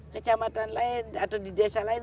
kecamatan lain atau di desa lain